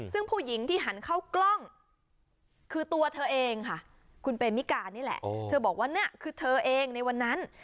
ซึ่งผู้หญิงที่หันเข้ากล้องคือตัวเธอเองค่ะคุณเปมิกานี่แหละเธอบอกว่านี่คือเธอเองในวันนั้น